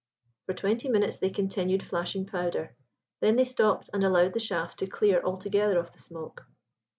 For twenty minutes they continued flashing powder. Then they stopped and allowed the shaft to clear altogether of the smoke.